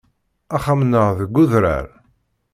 Axxam-nneɣ deg udrar.